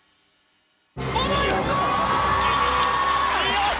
よし！